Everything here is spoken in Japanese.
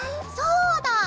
そうだ！